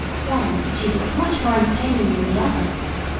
One she thought much more entertaining than the other.